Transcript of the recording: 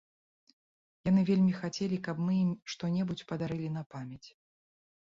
Яны вельмі хацелі, каб мы ім што-небудзь падарылі на памяць!